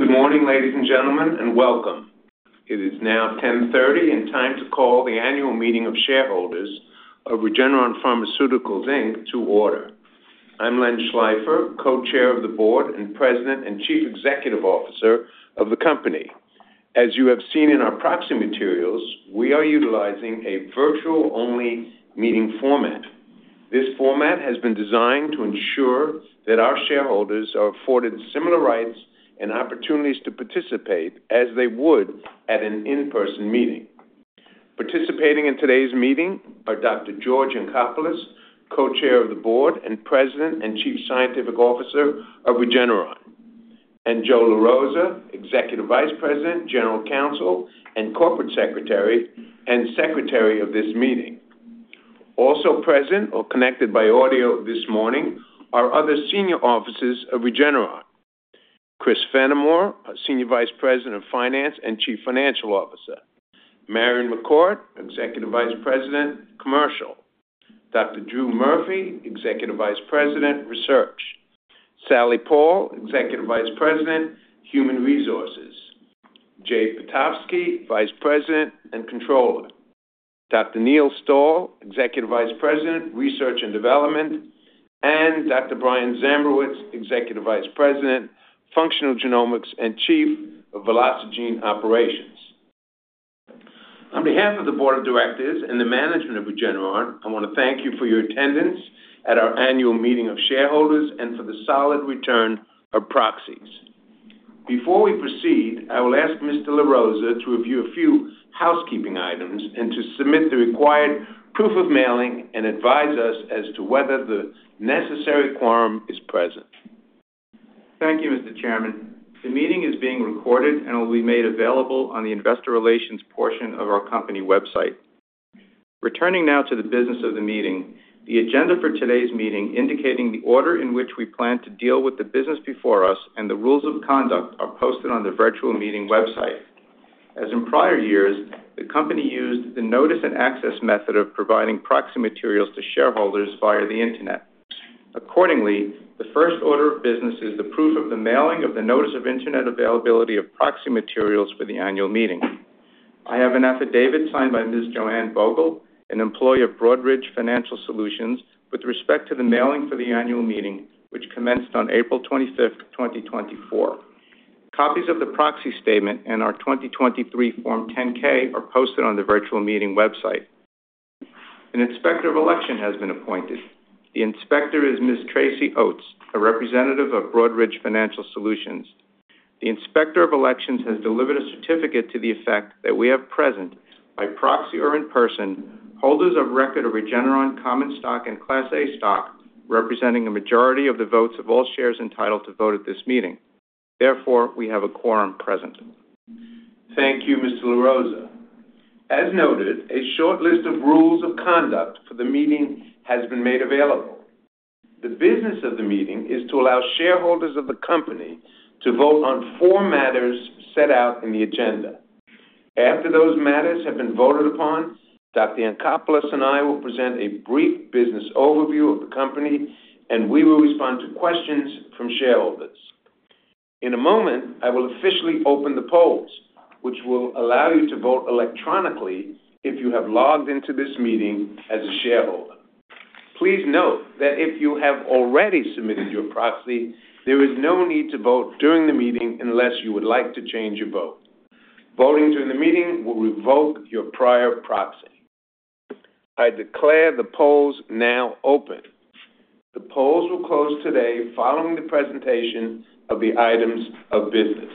Good morning, ladies and gentlemen, and welcome. It is now 10:30 A.M. and time to call the annual meeting of shareholders of Regeneron Pharmaceuticals, Inc., to order. I'm Len Schleifer, Co-Chair of the Board and President and Chief Executive Officer of the company. As you have seen in our proxy materials, we are utilizing a virtual-only meeting format. This format has been designed to ensure that our shareholders are afforded similar rights and opportunities to participate as they would at an in-person meeting. Participating in today's meeting are Dr. George Yancopoulos, Co-Chair of the Board and President and Chief Scientific Officer of Regeneron, and Joe LaRosa, Executive Vice President, General Counsel, and Corporate Secretary and secretary of this meeting. Also present or connected by audio this morning are other senior officers of Regeneron: Chris Fenimore, Senior Vice President of Finance and Chief Financial Officer; Marion McCourt, Executive Vice President, Commercial; Dr. Andrew Murphy, Executive Vice President, Research; Sally Paull, Executive Vice President, Human Resources; Jay Pitofsky, Vice President and Controller; Dr. Neil Stahl, Executive Vice President, Research and Development; and Dr. Brian Zambrowicz, Executive Vice President, Functional Genomics and Chief of Velocigene Operations. On behalf of the Board of Directors and the management of Regeneron, I want to thank you for your attendance at our annual meeting of shareholders and for the solid return of proxies. Before we proceed, I will ask Mr. LaRosa to review a few housekeeping items and to submit the required proof of mailing and advise us as to whether the necessary quorum is present. Thank you, Mr. Chairman. The meeting is being recorded and will be made available on the investor relations portion of our company website. Returning now to the business of the meeting, the agenda for today's meeting, indicating the order in which we plan to deal with the business before us and the rules of conduct, are posted on the virtual meeting website. As in prior years, the company used the notice and access method of providing proxy materials to shareholders via the internet. Accordingly, the first order of business is the proof of the mailing of the notice of internet availability of proxy materials for the annual meeting. I have an affidavit signed by Ms. Joanne Vogel, an employee of Broadridge Financial Solutions, with respect to the mailing for the annual meeting, which commenced on April 25th, 2024. Copies of the proxy statement and our 2023 Form 10-K are posted on the virtual meeting website. An inspector of election has been appointed. The inspector is Ms. Tracy Oates, a representative of Broadridge Financial Solutions. The inspector of elections has delivered a certificate to the effect that we have present, by proxy or in person, holders of record of Regeneron common stock and Class A stock representing a majority of the votes of all shares entitled to vote at this meeting. Therefore, we have a quorum present. Thank you, Mr. LaRosa. As noted, a short list of rules of conduct for the meeting has been made available. The business of the meeting is to allow shareholders of the company to vote on four matters set out in the agenda. After those matters have been voted upon, Dr. Yancopoulos and I will present a brief business overview of the company, and we will respond to questions from shareholders. In a moment, I will officially open the polls, which will allow you to vote electronically if you have logged into this meeting as a shareholder. Please note that if you have already submitted your proxy, there is no need to vote during the meeting unless you would like to change your vote. Voting during the meeting will revoke your prior proxy. I declare the polls now open. The polls will close today following the presentation of the items of business.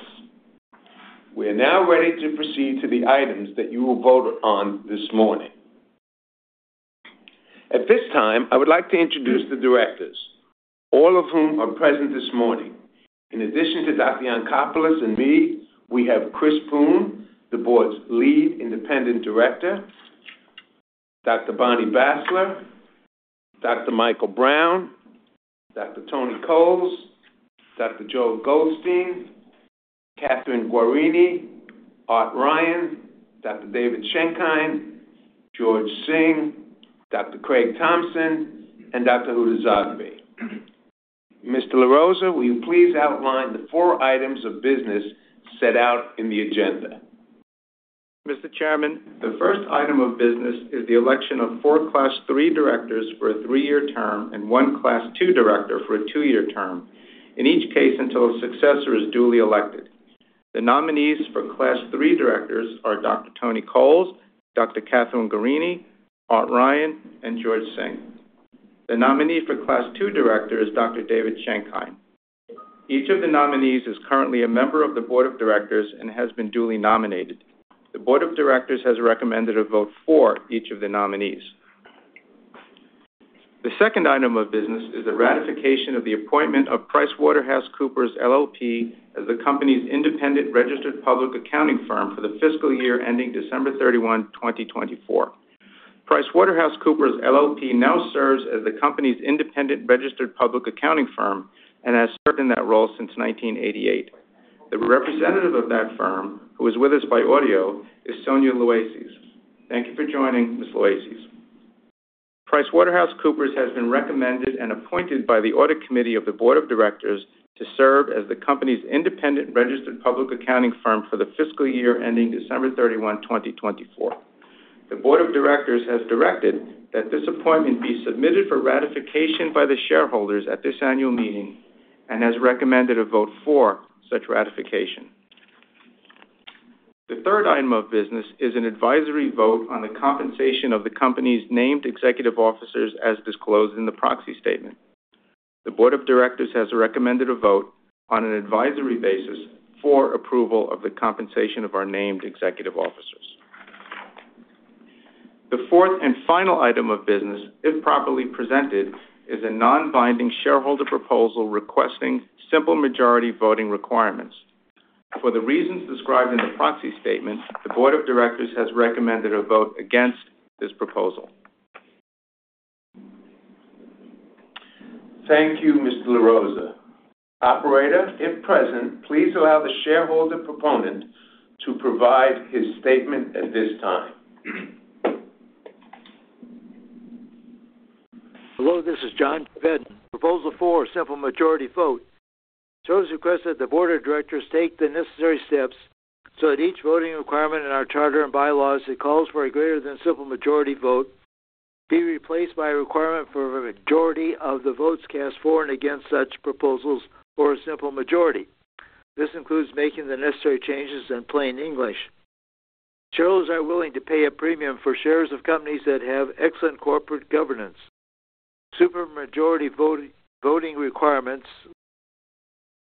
We are now ready to proceed to the items that you will vote on this morning. At this time, I would like to introduce the directors, all of whom are present this morning. In addition to Dr. Yancopoulos and me, we have Christine Poon, the board's lead independent director; Dr. Bonnie Bassler; Dr. Michael Brown; Dr. Tony Coles; Dr. Joe Goldstein; Kathryn Guarini; Art Ryan; Dr. David Schenkein; George Sing; Dr. Craig Thompson; and Dr. Huda Zoghbi. Mr. LaRosa, will you please outline the four items of business set out in the agenda? Mr. Chairman, the first item of business is the election of four Class III directors for a three-year term and one Class II director for a two-year term, in each case until a successor is duly elected. The nominees for Class III directors are Dr. Tony Coles, Dr. Kathryn Guarini, Art Ryan, and George Sing. The nominee for Class II director is Dr. David Schenkein. Each of the nominees is currently a member of the Board of Directors and has been duly nominated. The Board of Directors has recommended a vote for each of the nominees. The second item of business is the ratification of the appointment of PricewaterhouseCoopers LLP as the company's independent registered public accounting firm for the fiscal year ending December 31, 2024. PricewaterhouseCoopers LLP now serves as the company's independent registered public accounting firm and has served in that role since 1988. The representative of that firm, who is with us by audio, is Sonia Luaces. Thank you for joining, Ms. Luaces. PricewaterhouseCoopers has been recommended and appointed by the audit committee of the Board of Directors to serve as the company's independent registered public accounting firm for the fiscal year ending December 31, 2024. The Board of Directors has directed that this appointment be submitted for ratification by the shareholders at this annual meeting and has recommended a vote for such ratification. The third item of business is an advisory vote on the compensation of the company's named executive officers, as disclosed in the proxy statement. The Board of Directors has recommended a vote on an advisory basis for approval of the compensation of our named executive officers. The fourth and final item of business, if properly presented, is a non-binding shareholder proposal requesting simple majority voting requirements. For the reasons described in the proxy statement, the Board of Directors has recommended a vote against this proposal. Thank you, Mr. LaRosa. Operator, if present, please allow the shareholder proponent to provide his statement at this time. Hello, this is John Chevedden. Proposal four, simple majority vote. So it is requested that the Board of Directors take the necessary steps so that each voting requirement in our charter and bylaws that calls for a greater than simple majority vote be replaced by a requirement for a majority of the votes cast for and against such proposals for a simple majority. This includes making the necessary changes in plain English. Shareholders are willing to pay a premium for shares of companies that have excellent corporate governance. Super majority voting requirements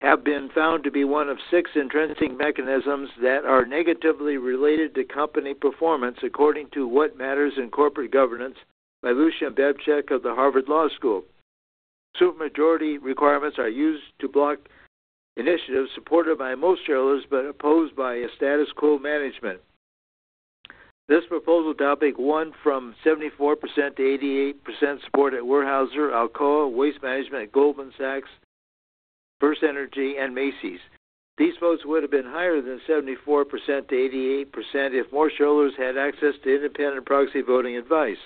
have been found to be one of six entrenching mechanisms that are negatively related to company performance according to What Matters in Corporate Governance by Lucian Bebchuk of the Harvard Law School. Super majority requirements are used to block initiatives supported by most shareholders but opposed by status quo management. This proposal topic won from 74%-88% support at Weyerhaeuser, Alcoa, Waste Management, Goldman Sachs, FirstEnergy, and Macy's. These votes would have been higher than 74%-88% if more shareholders had access to independent proxy voting advice.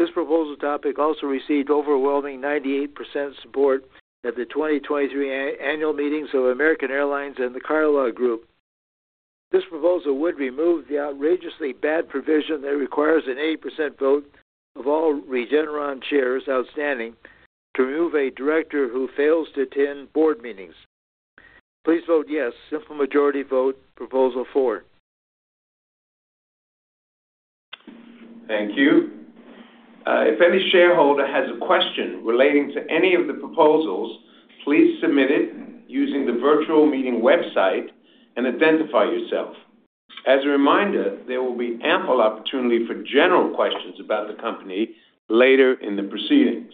This proposal topic also received overwhelming 98% support at the 2023 annual meetings of American Airlines and the Carlyle Group. This proposal would remove the outrageously bad provision that requires an 80% vote of all Regeneron shares outstanding to remove a director who fails to attend board meetings. Please vote yes, simple majority vote proposal four. Thank you. If any shareholder has a question relating to any of the proposals, please submit it using the virtual meeting website and identify yourself. As a reminder, there will be ample opportunity for general questions about the company later in the proceedings.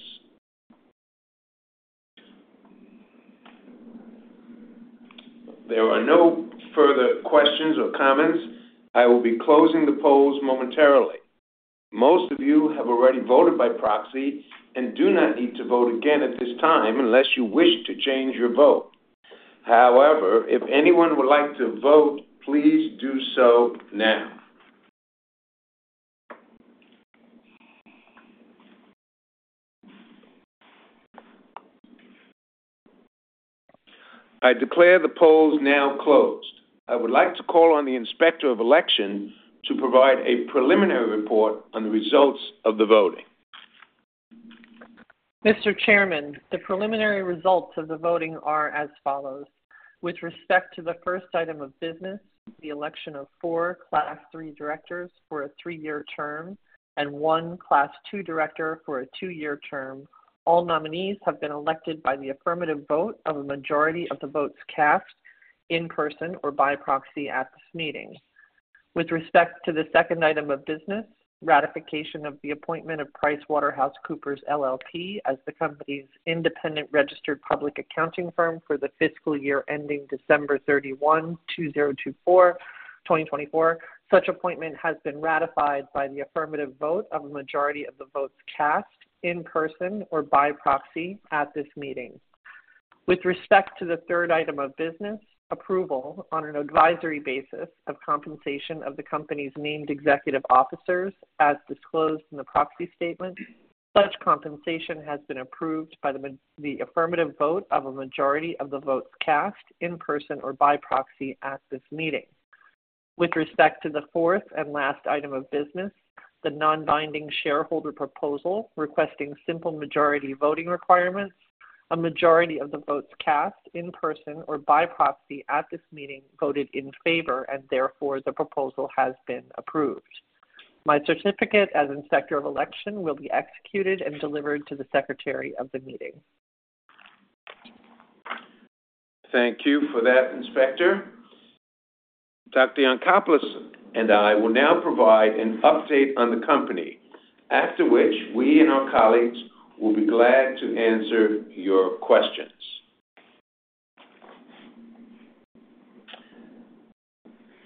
There are no further questions or comments. I will be closing the polls momentarily. Most of you have already voted by proxy and do not need to vote again at this time unless you wish to change your vote. However, if anyone would like to vote, please do so now. I declare the polls now closed. I would like to call on the inspector of election to provide a preliminary report on the results of the voting. Mr. Chairman, the preliminary results of the voting are as follows. With respect to the first item of business, the election of four Class III for a three-year term and one Class II director for a two-year term, all nominees have been elected by the affirmative vote of a majority of the votes cast in person or by proxy at this meeting. With respect to the second item of business, ratification of the appointment of PricewaterhouseCoopers LLP as the company's independent registered public accounting firm for the fiscal year ending December 31, 2024, such appointment has been ratified by the affirmative vote of a majority of the votes cast in person or by proxy at this meeting. With respect to the third item of business, approval on an advisory basis of compensation of the company's named executive officers as disclosed in the proxy statement, such compensation has been approved by the affirmative vote of a majority of the votes cast in person or by proxy at this meeting. With respect to the fourth and last item of business, the non-binding shareholder proposal requesting simple majority voting requirements, a majority of the votes cast in person or by proxy at this meeting voted in favor and therefore the proposal has been approved. My certificate as inspector of election will be executed and delivered to the secretary of the meeting. Thank you for that, Inspector. Dr. Yancopoulos and I will now provide an update on the company, after which we and our colleagues will be glad to answer your questions.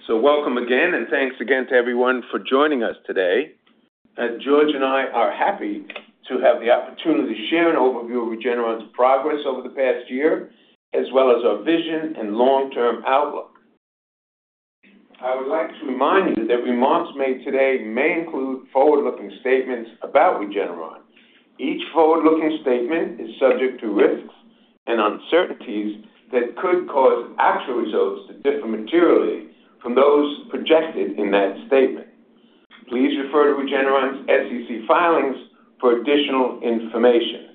So welcome again and thanks again to everyone for joining us today. George and I are happy to have the opportunity to share an overview of Regeneron's progress over the past year, as well as our vision and long-term outlook. I would like to remind you that remarks made today may include forward-looking statements about Regeneron. Each forward-looking statement is subject to risks and uncertainties that could cause actual results to differ materially from those projected in that statement. Please refer to Regeneron's SEC filings for additional information.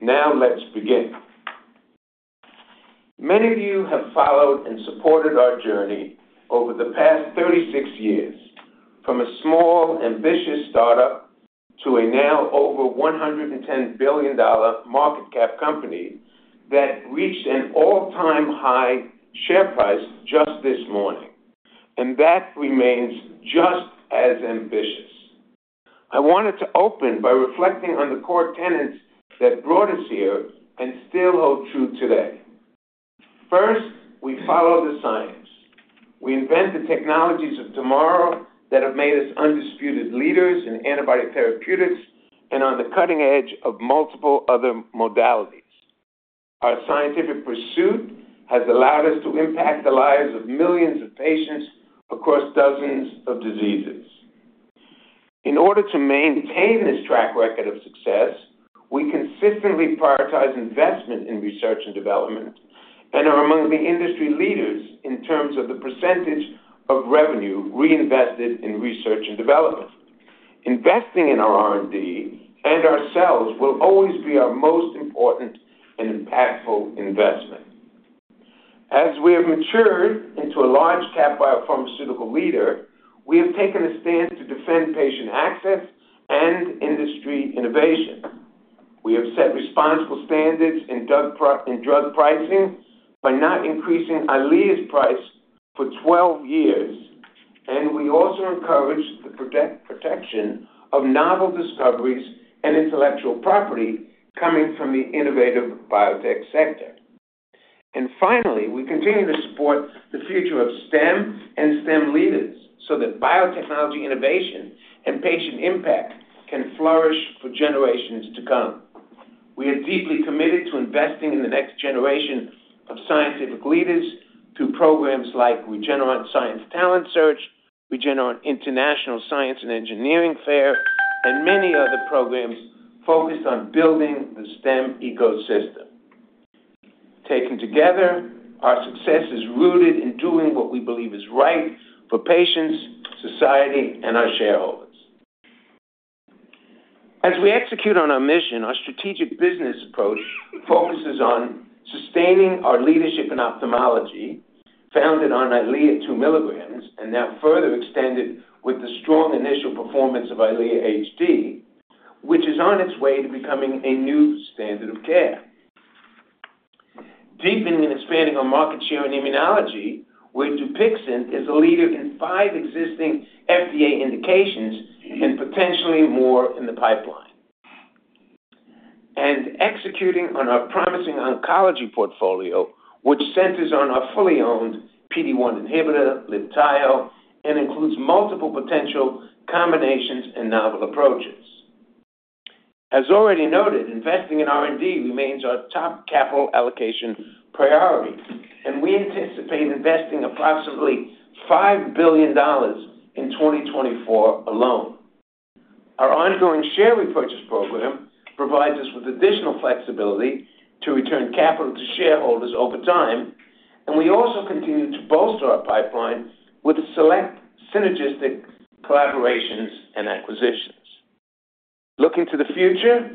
Now let's begin. Many of you have followed and supported our journey over the past 36 years, from a small, ambitious startup to a now over $110 billion market cap company that reached an all-time high share price just this morning, and that remains just as ambitious. I wanted to open by reflecting on the core tenets that brought us here and still hold true today. First, we follow the science. We invent the technologies of tomorrow that have made us undisputed leaders in antibody therapeutics and on the cutting edge of multiple other modalities. Our scientific pursuit has allowed us to impact the lives of millions of patients across dozens of diseases. In order to maintain this track record of success, we consistently prioritize investment in research and development and are among the industry leaders in terms of the percentage of revenue reinvested in research and development. Investing in our R&D and ourselves will always be our most important and impactful investment. As we have matured into a large-cap biopharmaceutical leader, we have taken a stance to defend patient access and industry innovation. We have set responsible standards in drug pricing by not increasing Eylea's price for 12 years, and we also encourage the protection of novel discoveries and intellectual property coming from the innovative biotech sector. Finally, we continue to support the future of STEM and STEM leaders so that biotechnology innovation and patient impact can flourish for generations to come. We are deeply committed to investing in the next generation of scientific leaders through programs like Regeneron Science Talent Search, Regeneron International Science and Engineering Fair, and many other programs focused on building the STEM ecosystem. Taken together, our success is rooted in doing what we believe is right for patients, society, and our shareholders. As we execute on our mission, our strategic business approach focuses on sustaining our leadership in ophthalmology founded on Eylea 2 mg and now further extended with the strong initial performance of Eylea HD, which is on its way to becoming a new standard of care. Deepening and expanding our market share in immunology, where Dupixent is a leader in five existing FDA indications and potentially more in the pipeline. Executing on our promising oncology portfolio, which centers on our fully owned PD-1 inhibitor, Libtayo, and includes multiple potential combinations and novel approaches. As already noted, investing in R&D remains our top capital allocation priority, and we anticipate investing approximately $5 billion in 2024 alone. Our ongoing share repurchase program provides us with additional flexibility to return capital to shareholders over time, and we also continue to bolster our pipeline with select synergistic collaborations and acquisitions. Looking to the future,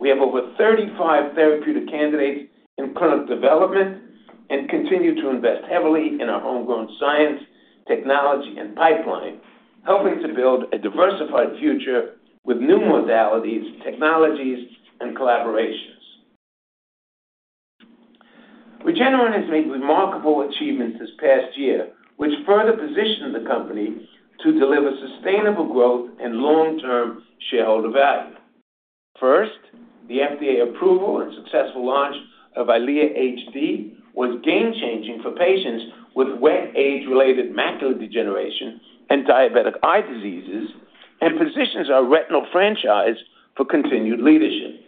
we have over 35 therapeutic candidates in clinical development and continue to invest heavily in our homegrown science, technology, and pipeline, helping to build a diversified future with new modalities, technologies, and collaborations. Regeneron has made remarkable achievements this past year, which further positioned the company to deliver sustainable growth and long-term shareholder value. First, the FDA approval and successful launch of Eylea HD was game-changing for patients with wet age-related macular degeneration and diabetic eye diseases and positions our retinal franchise for continued leadership.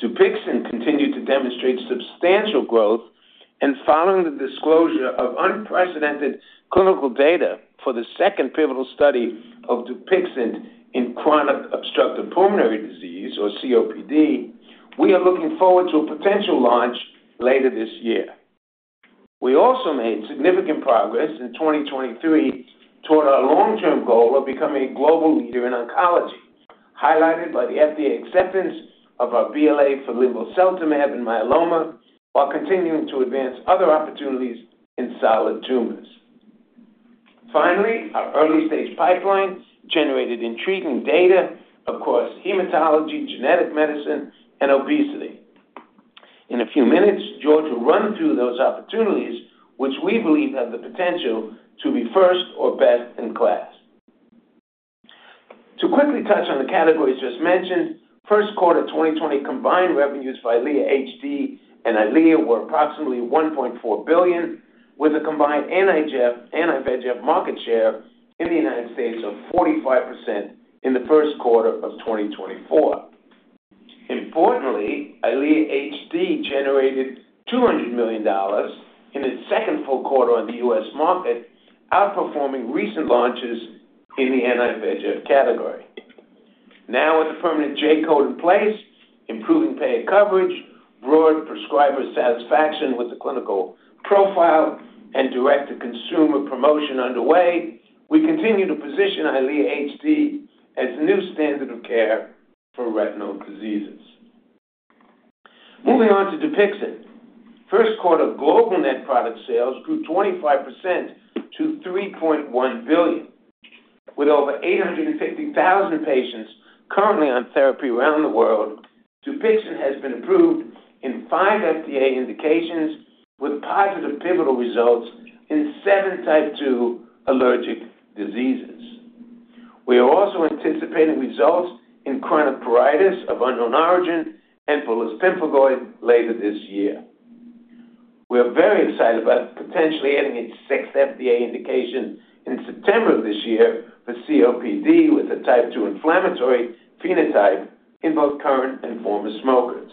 Dupixent continued to demonstrate substantial growth, and following the disclosure of unprecedented clinical data for the second pivotal study of Dupixent in chronic obstructive pulmonary disease, or COPD, we are looking forward to a potential launch later this year. We also made significant progress in 2023 toward our long-term goal of becoming a global leader in oncology, highlighted by the FDA acceptance of our BLA for linvoseltamab in myeloma, while continuing to advance other opportunities in solid tumors. Finally, our early-stage pipeline generated intriguing data across hematology, genetic medicine, and obesity. In a few minutes, George will run through those opportunities, which we believe have the potential to be first or best in class. To quickly touch on the categories just mentioned, first quarter 2020 combined revenues for Eylea HD and Eylea were approximately $1.4 billion, with a combined anti-VEGF market share in the United States of 45% in the first quarter of 2024. Importantly, Eylea HD generated $200 million in its second full quarter on the U.S. market, outperforming recent launches in the anti-VEGF category. Now, with the permanent J code in place, improving payer coverage, broad prescriber satisfaction with the clinical profile, and direct-to-consumer promotion underway, we continue to position Eylea HD as a new standard of care for retinal diseases. Moving on to Dupixent, first quarter global net product sales grew 25% to $3.1 billion. With over 850,000 patients currently on therapy around the world, Dupixent has been approved in five FDA indications with positive pivotal results in seven Type 2 allergic diseases. We are also anticipating results in chronic pruritus of unknown origin and bullous pemphigoid later this year. We are very excited about potentially adding its sixth FDA indication in September of this year for COPD with a Type 2 inflammatory phenotype in both current and former smokers.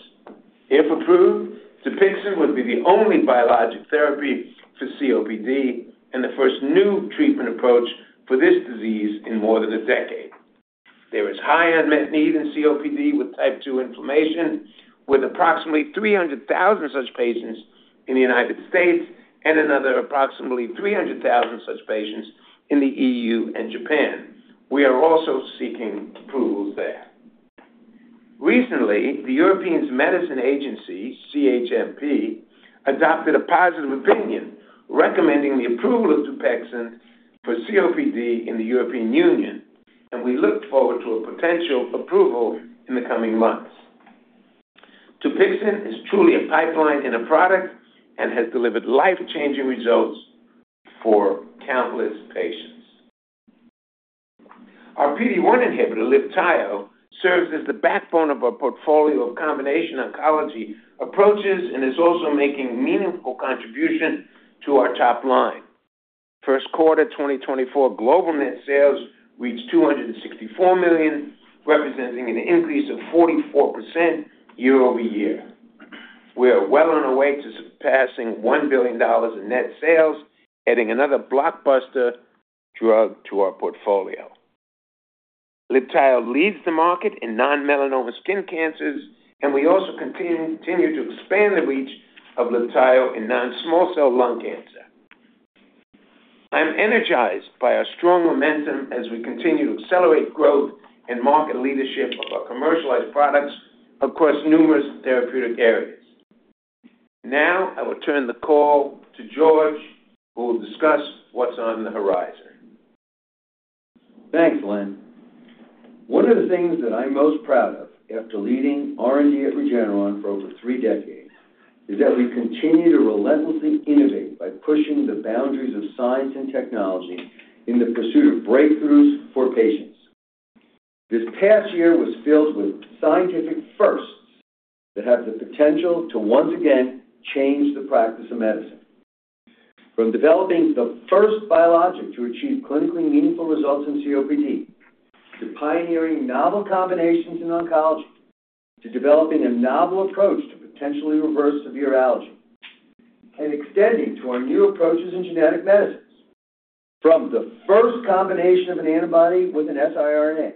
If approved, Dupixent would be the only biologic therapy for COPD and the first new treatment approach for this disease in more than a decade. There is high unmet need in COPD with Type 2 inflammation, with approximately 300,000 such patients in the United States and another approximately 300,000 such patients in the EU and Japan. We are also seeking approvals there. Recently, the European Medicines Agency, CHMP, adopted a positive opinion recommending the approval of Dupixent for COPD in the European Union, and we look forward to a potential approval in the coming months. Dupixent is truly a pipeline and a product and has delivered life-changing results for countless patients. Our PD-1 inhibitor, Libtayo, serves as the backbone of our portfolio of combination oncology approaches and is also making a meaningful contribution to our top line. First quarter 2024 global net sales reached $264 million, representing an increase of 44% year-over-year. We are well on our way to surpassing $1 billion in net sales, adding another blockbuster drug to our portfolio. Libtayo leads the market in non-melanoma skin cancers, and we also continue to expand the reach of Libtayo in non-small cell lung cancer. I'm energized by our strong momentum as we continue to accelerate growth and market leadership of our commercialized products across numerous therapeutic areas. Now, I will turn the call to George, who will discuss what's on the horizon. Thanks, Len. One of the things that I'm most proud of after leading R&D at Regeneron for over three decades is that we continue to relentlessly innovate by pushing the boundaries of science and technology in the pursuit of breakthroughs for patients. This past year was filled with scientific firsts that have the potential to once again change the practice of medicine. From developing the first biologic to achieve clinically meaningful results in COPD, to pioneering novel combinations in oncology, to developing a novel approach to potentially reverse severe allergy, and extending to our new approaches in genetic medicines. From the first combination of an antibody with an siRNA,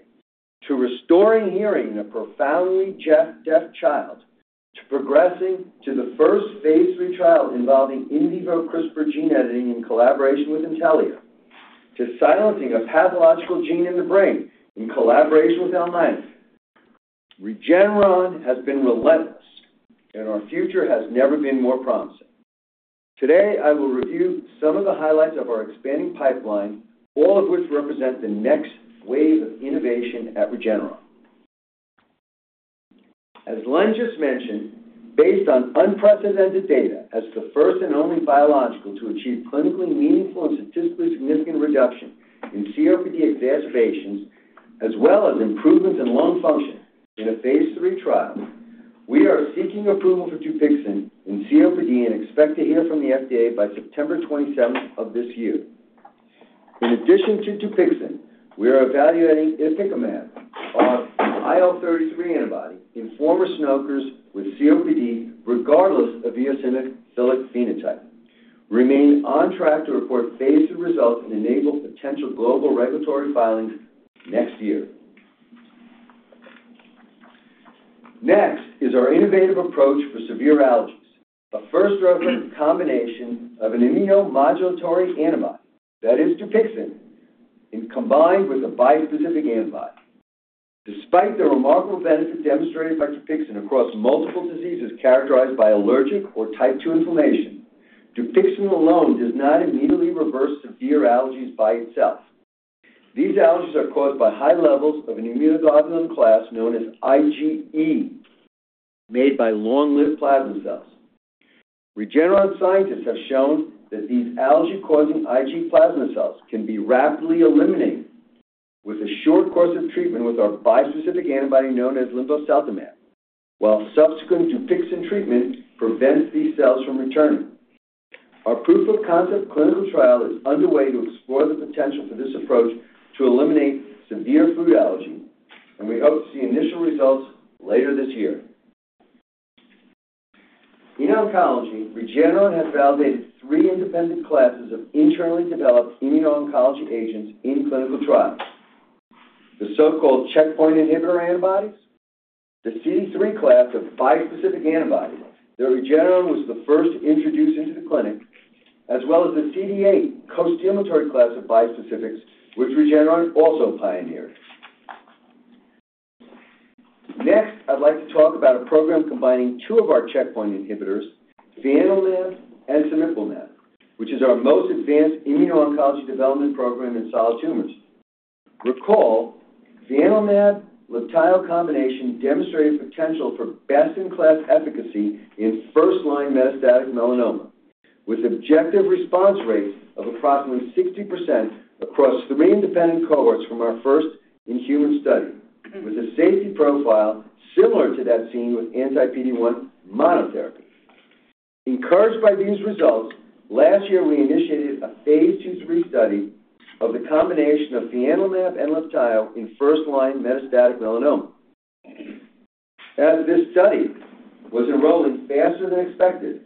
to restoring hearing in a profoundly deaf child, to progressing to the first phase III trial involving in vivo CRISPR gene editing in collaboration with Intellia, to silencing a pathological gene in the brain in collaboration with Alnylam, Regeneron has been relentless, and our future has never been more promising. Today, I will review some of the highlights of our expanding pipeline, all of which represent the next wave of innovation at Regeneron. As Len just mentioned, based on unprecedented data as the first and only biologic to achieve clinically meaningful and statistically significant reduction in COPD exacerbations, as well as improvements in lung function in a phase III trial, we are seeking approval for Dupixent in COPD and expect to hear from the FDA by September 27th of this year. In addition to Dupixent, we are evaluating itepekimab, our IL-33 antibody in former smokers with COPD, regardless of eosinophilic phenotype. We remain on track to report phase 3 results and enable potential global regulatory filings next year. Next is our innovative approach for severe allergies, a first-ever combination of an immunomodulatory antibody, that is Dupixent, combined with a bispecific antibody. Despite the remarkable benefit demonstrated by Dupixent across multiple diseases characterized by allergic or Type 2 inflammation, Dupixent alone does not immediately reverse severe allergies by itself. These allergies are caused by high levels of an immunoglobulin class known as IgE, made by long-lived plasma cells. Regeneron scientists have shown that these allergy-causing Ig plasma cells can be rapidly eliminated with a short course of treatment with our bispecific antibody known as linvoseltamab, while subsequent Dupixent treatment prevents these cells from returning. Our proof-of-concept clinical trial is underway to explore the potential for this approach to eliminate severe food allergy, and we hope to see initial results later this year. In oncology, Regeneron has validated three independent classes of internally developed immuno-oncology agents in clinical trials: the so-called checkpoint inhibitor antibodies, the CD3 class of bispecific antibody that Regeneron was the first to introduce into the clinic, as well as the CD28 co-stimulatory class of bispecifics, which Regeneron also pioneered. Next, I'd like to talk about a program combining two of our checkpoint inhibitors, fianlimab and cemiplimab, which is our most advanced immuno-oncology development program in solid tumors. Recall, fianlimab-Libtayo combination demonstrated potential for best-in-class efficacy in first-line metastatic melanoma, with objective response rates of approximately 60% across three independent cohorts from our first in-human study, with a safety profile similar to that seen with anti-PD-1 monotherapy. Encouraged by these results, last year we initiated a phase II-III study of the combination of fianlimab and Libtayo in first-line metastatic melanoma. As this study was enrolling faster than expected,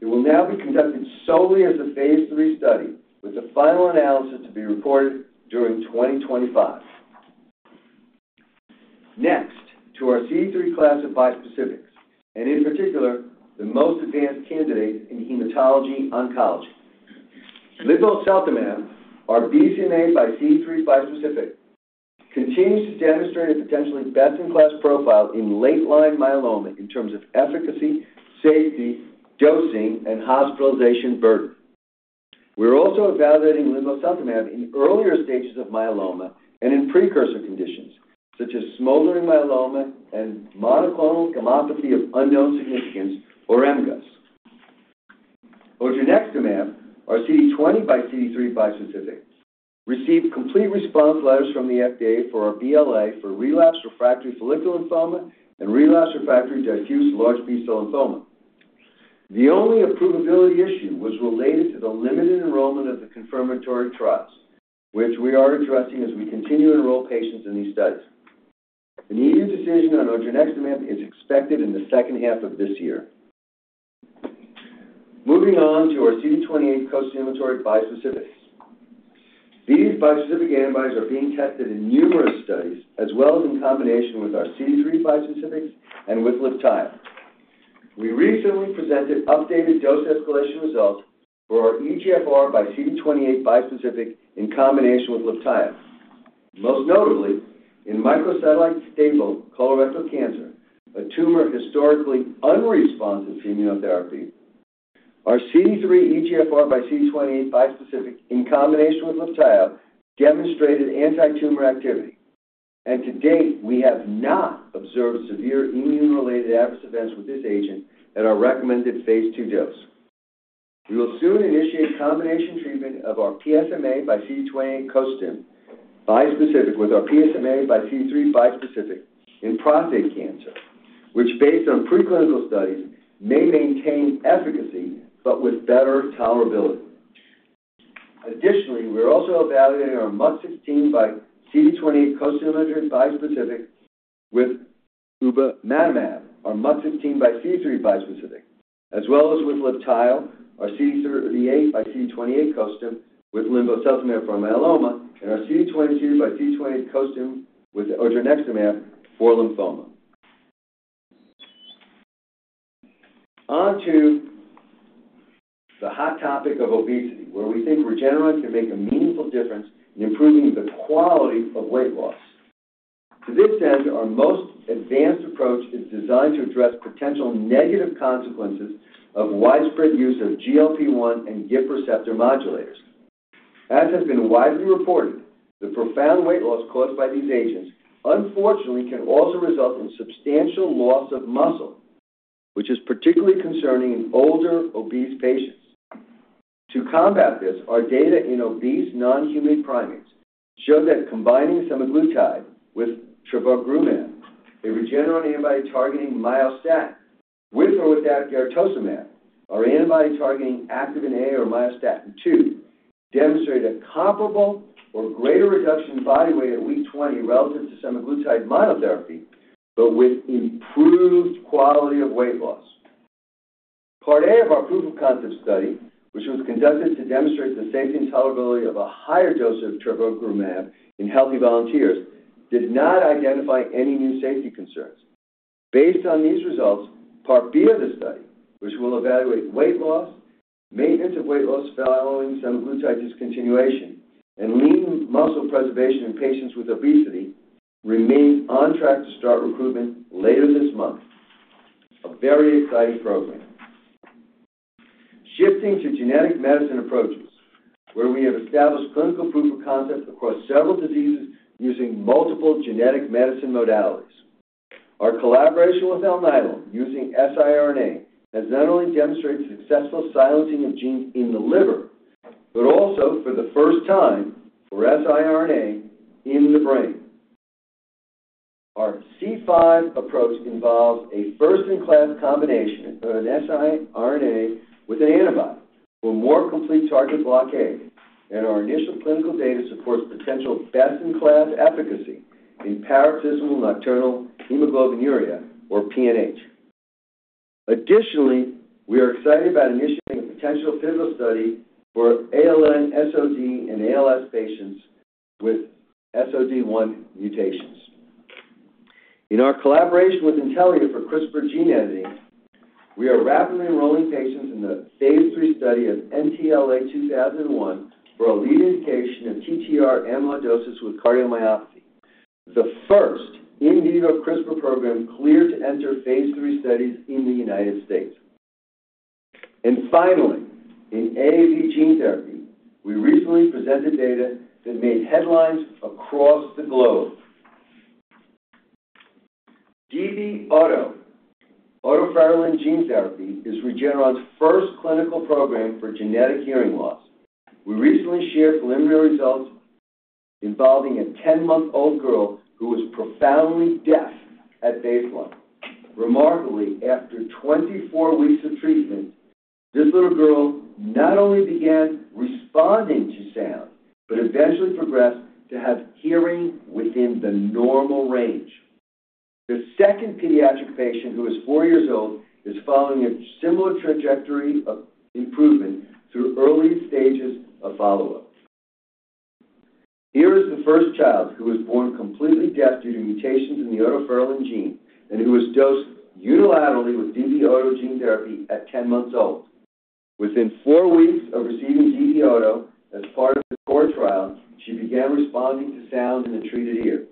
it will now be conducted solely as a phase III study, with the final analysis to be reported during 2025. Next, to our CD3 class of bispecifics, and in particular, the most advanced candidates in hematology-oncology. Linvoseltamab, our BCMA x CD3 bispecific, continues to demonstrate a potentially best-in-class profile in late-line myeloma in terms of efficacy, safety, dosing, and hospitalization burden. We're also evaluating linvoseltamab in earlier stages of myeloma and in precursor conditions, such as smoldering myeloma and monoclonal gammopathy of unknown significance, or MGUS. Odronextamab, our CD20 x CD3 bispecific, received complete response letters from the FDA for our BLA for relapsed refractory follicular lymphoma and relapsed refractory diffuse large B-cell lymphoma. The only approvability issue was related to the limited enrollment of the confirmatory trials, which we are addressing as we continue to enroll patients in these studies. An FDA decision on odronextamab is expected in the second half of this year. Moving on to our CD28 co-stimulatory bispecifics. These bispecific antibodies are being tested in numerous studies, as well as in combination with our CD3 bispecifics and with Libtayo. We recently presented updated dose escalation results for our EGFR x CD28 bispecific in combination with Libtayo. Most notably, in microsatellite stable colorectal cancer, a tumor historically unresponsive to immunotherapy, our CD3 EGFR x CD28 bispecific in combination with Libtayo demonstrated anti-tumor activity. To date, we have not observed severe immune-related adverse events with this agent at our recommended phase II dose. We will soon initiate combination treatment of our PSMA x CD28 co-stim bispecific with our PSMA x CD3 bispecific in prostate cancer, which, based on preclinical studies, may maintain efficacy but with better tolerability. Additionally, we're also evaluating our MUC16 x CD28 co-stimulator bispecific with ubamatamab, our MUC16 x CD3 bispecific, as well as with Libtayo, our CD38 x CD28 co-stim with linvoseltamab for myeloma, and our CD22 x CD28 co-stim with odronextamab for lymphoma. On to the hot topic of obesity, where we think Regeneron can make a meaningful difference in improving the quality of weight loss. To this end, our most advanced approach is designed to address potential negative consequences of widespread use of GLP-1 and GIP receptor modulators. As has been widely reported, the profound weight loss caused by these agents, unfortunately, can also result in substantial loss of muscle, which is particularly concerning in older obese patients. To combat this, our data in obese non-human primates show that combining semaglutide with trevogrumab, a Regeneron antibody targeting myostatin with or without garetosmab, our antibody targeting Activin A or myostatin too, demonstrated a comparable or greater reduction in body weight at week 20 relative to semaglutide monotherapy, but with improved quality of weight loss. Part A of our proof-of-concept study, which was conducted to demonstrate the safety and tolerability of a higher dose of trevogrumab in healthy volunteers, did not identify any new safety concerns. Based on these results, Part B of the study, which will evaluate weight loss, maintenance of weight loss following semaglutide discontinuation, and lean muscle preservation in patients with obesity, remains on track to start recruitment later this month. A very exciting program. Shifting to genetic medicine approaches, where we have established clinical proof-of-concept across several diseases using multiple genetic medicine modalities. Our collaboration with Alnylam using siRNA has not only demonstrated successful silencing of genes in the liver, but also, for the first time, for siRNA in the brain. Our C5 approach involves a first-in-class combination of an siRNA with an antibody for more complete target blockade, and our initial clinical data supports potential best-in-class efficacy in paroxysmal nocturnal hemoglobinuria, or PNH. Additionally, we are excited about initiating a potential pivotal study for ALN-SOD1 in ALS patients with SOD1 mutations. In our collaboration with Intellia for CRISPR gene editing, we are rapidly enrolling patients in the phase III study of NTLA-2001 for a lead indication of TTR amyloidosis with cardiomyopathy, the first in vivo CRISPR program cleared to enter phase III studies in the United States. And finally, in AAV gene therapy, we recently presented data that made headlines across the globe. DB-OTO, otoferlin gene therapy, is Regeneron's first clinical program for genetic hearing loss. We recently shared preliminary results involving a 10-month-old girl who was profoundly deaf at baseline. Remarkably, after 24 weeks of treatment, this little girl not only began responding to sound but eventually progressed to have hearing within the normal range. The second pediatric patient, who is 4 years old, is following a similar trajectory of improvement through early stages of follow-up. Here is the first child who was born completely deaf due to mutations in the otoferlin gene, and who was dosed unilaterally with DB-OTO gene therapy at 10 months old. Within 4 weeks of receiving DB-OTO, as part of the core trial, she began responding to sound in the treated ear.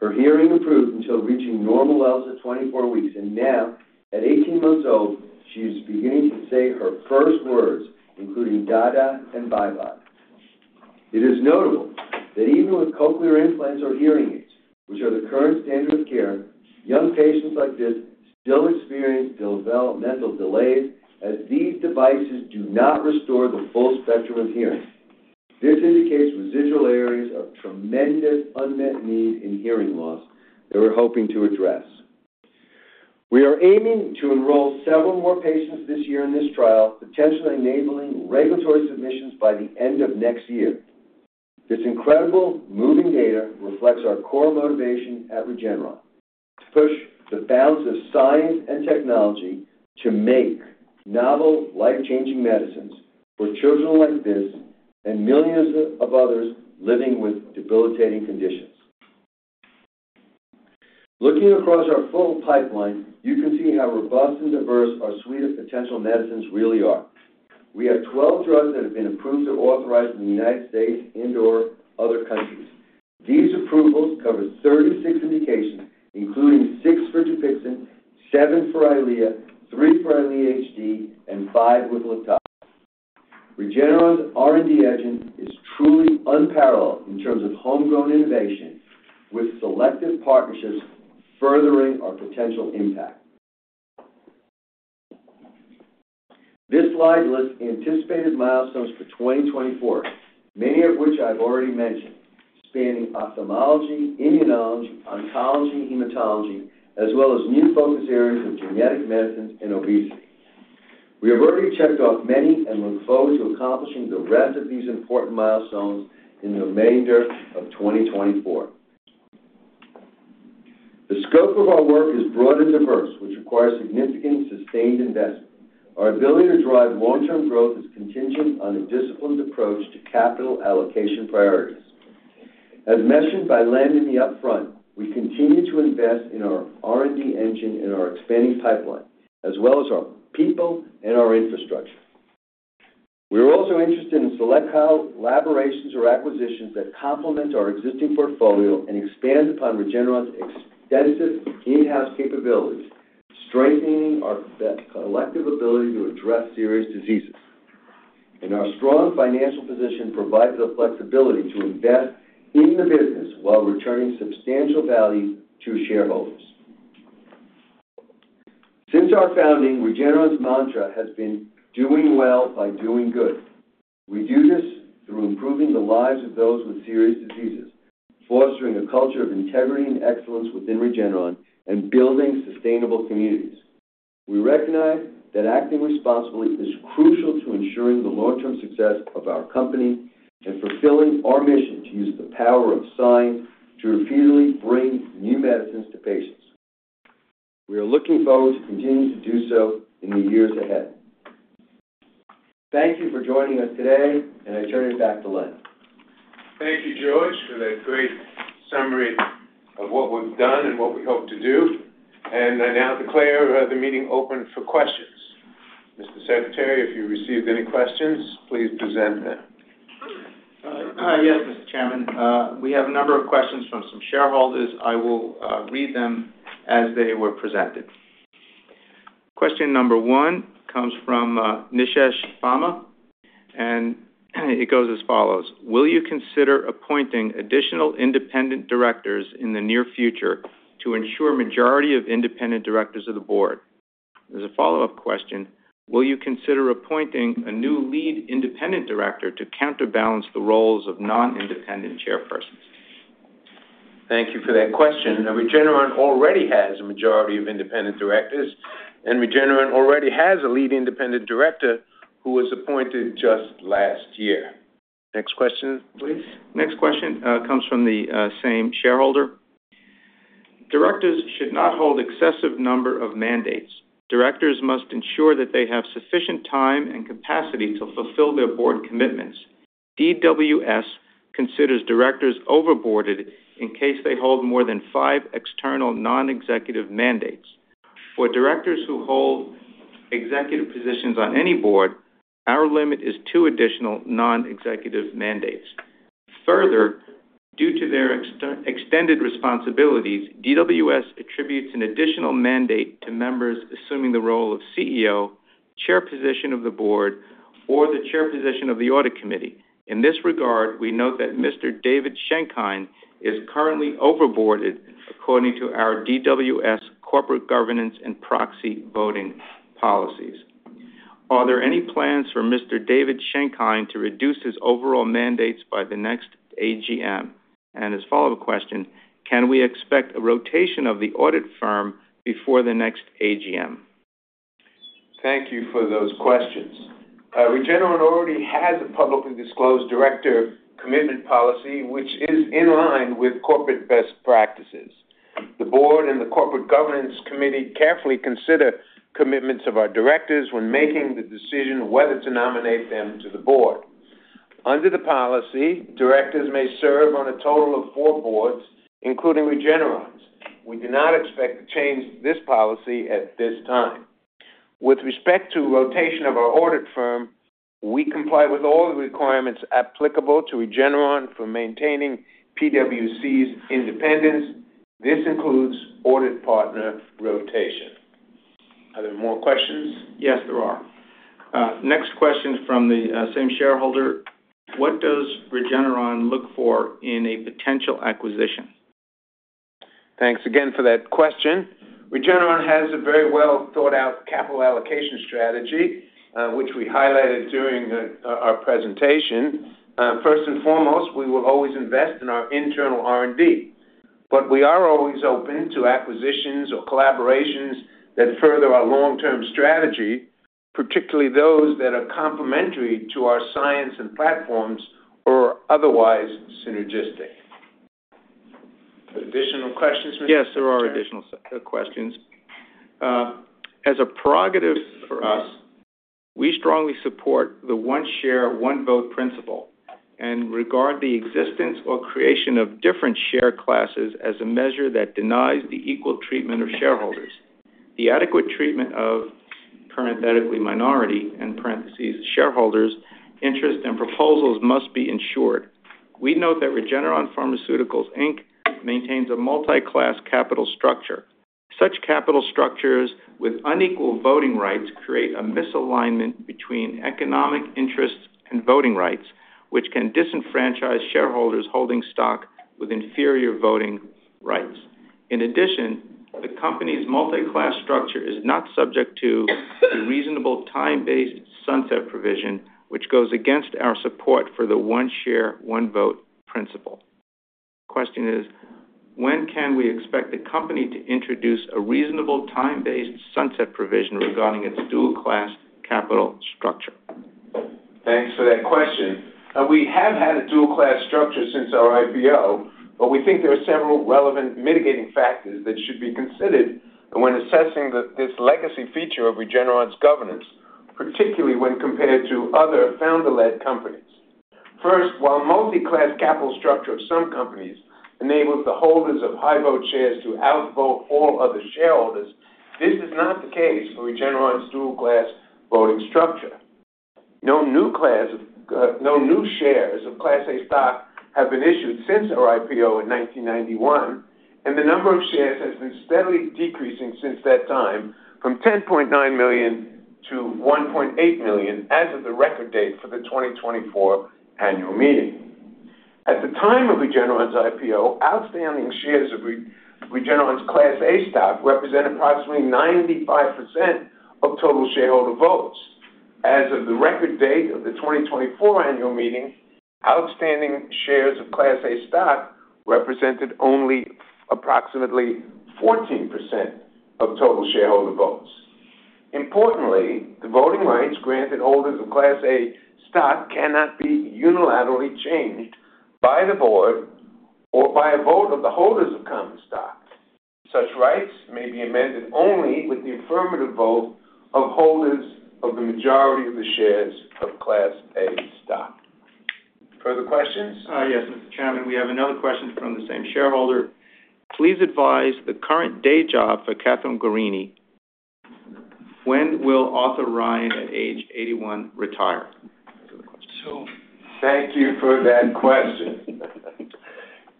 Her hearing improved until reaching normal levels at 24 weeks, and now, at 18 months old, she is beginning to say her first words, including da-da and bye-bye. It is notable that even with cochlear implants or hearing aids, which are the current standard of care, young patients like this still experience developmental delays as these devices do not restore the full spectrum of hearing. This indicates residual areas of tremendous unmet need in hearing loss that we're hoping to address. We are aiming to enroll several more patients this year in this trial, potentially enabling regulatory submissions by the end of next year. This incredible moving data reflects our core motivation at Regeneron: to push the bounds of science and technology to make novel, life-changing medicines for children like this and millions of others living with debilitating conditions. Looking across our full pipeline, you can see how robust and diverse our suite of potential medicines really are. We have 12 drugs that have been approved or authorized in the United States and/or other countries. These approvals cover 36 indications, including six for Dupixent, seven for Eylea, three for Eylea HD, and five with Libtayo. Regeneron's R&D edge is truly unparalleled in terms of homegrown innovation, with selective partnerships furthering our potential impact. This slide lists anticipated milestones for 2024, many of which I've already mentioned, spanning ophthalmology, immunology, oncology, hematology, as well as new focus areas of genetic medicines and obesity. We have already checked off many and look forward to accomplishing the rest of these important milestones in the remainder of 2024. The scope of our work is broad and diverse, which requires significant sustained investment. Our ability to drive long-term growth is contingent on a disciplined approach to capital allocation priorities. As mentioned by Len in the upfront, we continue to invest in our R&D engine and our expanding pipeline, as well as our people and our infrastructure. We are also interested in select collaborations or acquisitions that complement our existing portfolio and expand upon Regeneron's extensive in-house capabilities, strengthening our collective ability to address serious diseases. Our strong financial position provides the flexibility to invest in the business while returning substantial value to shareholders. Since our founding, Regeneron's mantra has been "Doing well by doing good." We do this through improving the lives of those with serious diseases, fostering a culture of integrity and excellence within Regeneron, and building sustainable communities. We recognize that acting responsibly is crucial to ensuring the long-term success of our company and fulfilling our mission to use the power of science to repeatedly bring new medicines to patients. We are looking forward to continuing to do so in the years ahead. Thank you for joining us today, and I turn it back to Len. Thank you, George, for that great summary of what we've done and what we hope to do. I now declare the meeting open for questions. Mr. Secretary, if you received any questions, please present them. Yes, Mr. Chairman. We have a number of questions from some shareholders. I will read them as they were presented. Question number one comes from DWS Group, and it goes as follows: Will you consider appointing additional independent directors in the near future to ensure a majority of independent directors of the board? As a follow-up question, will you consider appointing a new lead independent director to counterbalance the roles of non-independent chairpersons? Thank you for that question. Regeneron already has a majority of independent directors, and Regeneron already has a lead independent director who was appointed just last year. Next question, please. Next question comes from the same shareholder. Directors should not hold excessive number of mandates. Directors must ensure that they have sufficient time and capacity to fulfill their board commitments. DWS considers directors overboarded in case they hold more than five external non-executive mandates. For directors who hold executive positions on any board, our limit is two additional non-executive mandates. Further, due to their extended responsibilities, DWS attributes an additional mandate to members assuming the role of CEO, chair position of the board, or the chair position of the audit committee. In this regard, we note that Mr. David P. Schenkein is currently overboarded according to our DWS corporate governance and proxy voting policies. Are there any plans for Mr. David P. Schenkein to reduce his overall mandates by the next AGM? And as follow-up question, can we expect a rotation of the audit firm before the next AGM? Thank you for those questions. Regeneron already has a publicly disclosed director commitment policy, which is in line with corporate best practices. The board and the corporate governance committee carefully consider commitments of our directors when making the decision whether to nominate them to the board. Under the policy, directors may serve on a total of four boards, including Regeneron's. We do not expect to change this policy at this time. With respect to rotation of our audit firm, we comply with all the requirements applicable to Regeneron for maintaining PwC's independence. This includes audit partner rotation. Are there more questions? Yes, there are. Next question from the same shareholder. What does Regeneron look for in a potential acquisition? Thanks again for that question. Regeneron has a very well-thought-out capital allocation strategy, which we highlighted during our presentation. First and foremost, we will always invest in our internal R&D, but we are always open to acquisitions or collaborations that further our long-term strategy, particularly those that are complementary to our science and platforms or otherwise synergistic. Additional questions? Yes, there are additional questions. As a prerogative for us, we strongly support the one-share, one-vote principle and regard the existence or creation of different share classes as a measure that denies the equal treatment of shareholders. The adequate treatment of (parenthetically minority) shareholders' interests and proposals must be ensured. We note that Regeneron Pharmaceuticals, Inc. maintains a multi-class capital structure. Such capital structures with unequal voting rights create a misalignment between economic interests and voting rights, which can disenfranchise shareholders holding stock with inferior voting rights. In addition, the company's multi-class structure is not subject to a reasonable time-based sunset provision, which goes against our support for the one-share, one-vote principle. Question is, when can we expect the company to introduce a reasonable time-based sunset provision regarding its dual-class capital structure? Thanks for that question. We have had a dual-class structure since our IPO, but we think there are several relevant mitigating factors that should be considered when assessing this legacy feature of Regeneron's governance, particularly when compared to other founder-led companies. First, while multi-class capital structure of some companies enables the holders of high-vote shares to outvote all other shareholders, this is not the case for Regeneron's dual-class voting structure. No new shares of Class A stock have been issued since our IPO in 1991, and the number of shares has been steadily decreasing since that time from 10.9 million to 1.8 million as of the record date for the 2024 annual meeting. At the time of Regeneron's IPO, outstanding shares of Regeneron's Class A stock represent approximately 95% of total shareholder votes. As of the record date of the 2024 annual meeting, outstanding shares of Class A stock represented only approximately 14% of total shareholder votes. Importantly, the voting rights granted holders of Class A stock cannot be unilaterally changed by the board or by a vote of the holders of common stock. Such rights may be amended only with the affirmative vote of holders of the majority of the shares of Class A stock. Further questions? Yes, Mr. Chairman. We have another question from the same shareholder. Please advise the current day job for Kathryn Guarini. When will Arthur Ryan, at age 81, retire? Thank you for that question.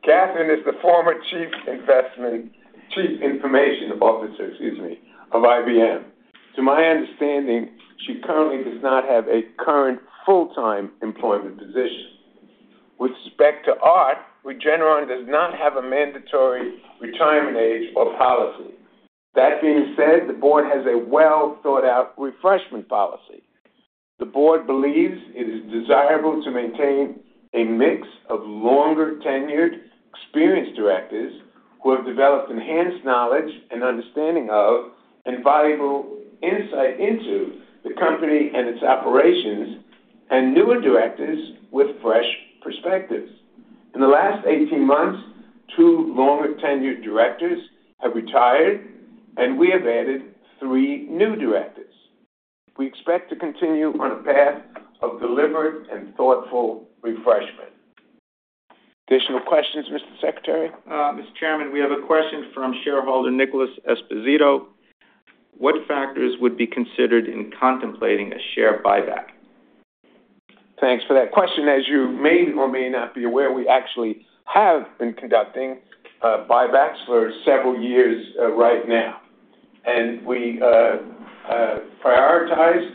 Kathryn is the former Chief Information Officer of IBM. To my understanding, she currently does not have a current full-time employment position. With respect to Art, Regeneron does not have a mandatory retirement age or policy. That being said, the board has a well-thought-out refreshment policy. The board believes it is desirable to maintain a mix of longer-tenured, experienced directors who have developed enhanced knowledge and understanding of and valuable insight into the company and its operations, and newer directors with fresh perspectives. In the last 18 months, 2 longer-tenured directors have retired, and we have added 3 new directors. We expect to continue on a path of deliberate and thoughtful refreshment. Additional questions, Mr. Secretary? Mr. Chairman, we have a question from shareholder Nicholas Esposito. What factors would be considered in contemplating a share buyback? Thanks for that question. As you may or may not be aware, we actually have been conducting buybacks for several years right now. And we prioritize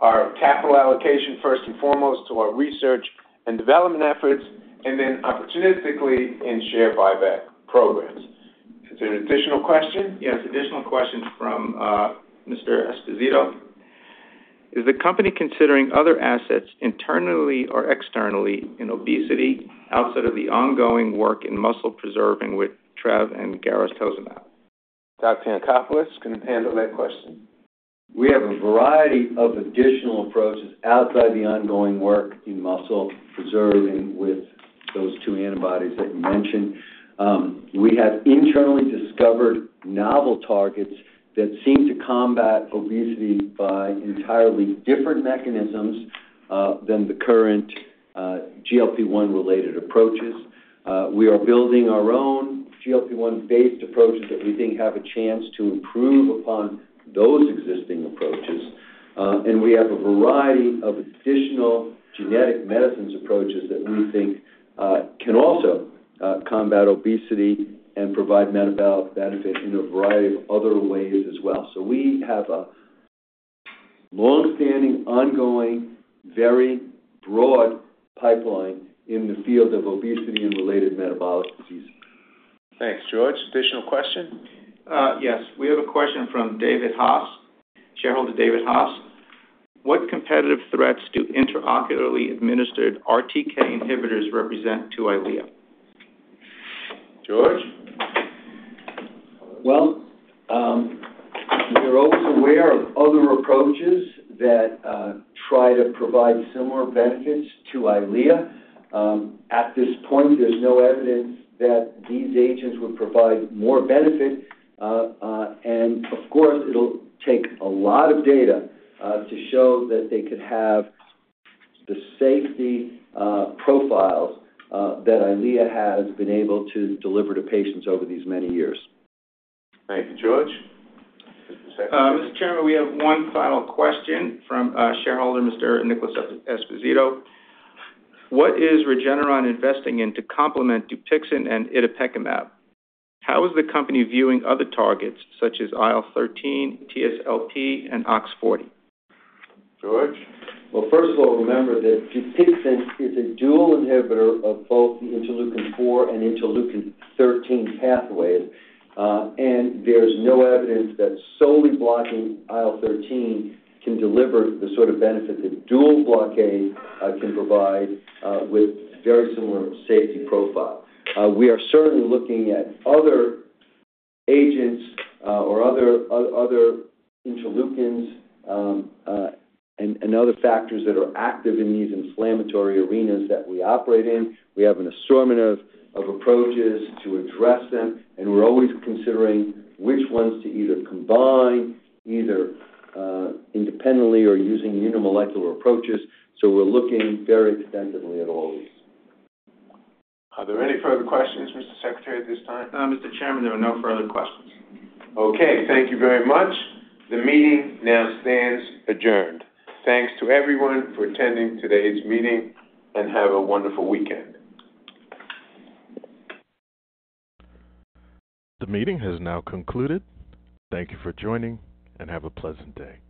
our capital allocation first and foremost to our research and development efforts, and then opportunistically in share buyback programs. Is there an additional question? Yes, additional questions from Mr. Esposito. Is the company considering other assets internally or externally in obesity outside of the ongoing work in muscle preserving with trevogrumab and garetosmab? Dr. Yancopoulos, can you handle that question? We have a variety of additional approaches outside the ongoing work in muscle preserving with those two antibodies that you mentioned. We have internally discovered novel targets that seem to combat obesity by entirely different mechanisms than the current GLP-1-related approaches. We are building our own GLP-1-based approaches that we think have a chance to improve upon those existing approaches. And we have a variety of additional genetic medicines approaches that we think can also combat obesity and provide metabolic benefit in a variety of other ways as well. So we have a long-standing, ongoing, very broad pipeline in the field of obesity and related metabolic diseases. Thanks, George. Additional question? Yes. We have a question from David Hoss, shareholder David Hoss. What competitive threats do intraocularly administered RTK inhibitors represent to Eylea? George? Well, we are always aware of other approaches that try to provide similar benefits to Eylea. At this point, there's no evidence that these agents would provide more benefit. And of course, it'll take a lot of data to show that they could have the safety profiles that Eylea has been able to deliver to patients over these many years. Thank you, George. Mr. Secretary? Mr. Chairman, we have one final question from shareholder Mr. Nicholas Esposito. What is Regeneron investing in to complement Dupixent and itepekimab? How is the company viewing other targets such as IL-13, TSLP, and OX-40? George? Well, first of all, remember that Dupixent is a dual inhibitor of both the interleukin-4 and interleukin-13 pathways, and there's no evidence that solely blocking IL-13 can deliver the sort of benefit that dual blockade can provide with very similar safety profile. We are certainly looking at other agents or other interleukins and other factors that are active in these inflammatory arenas that we operate in. We have an assortment of approaches to address them, and we're always considering which ones to either combine either independently or using unimolecular approaches. So we're looking very extensively at all of these. Are there any further questions, Mr. Secretary, at this time? Mr. Chairman, there are no further questions. Okay. Thank you very much. The meeting now stands adjourned. Thanks to everyone for attending today's meeting, and have a wonderful weekend. The meeting has now concluded. Thank you for joining, and have a pleasant day.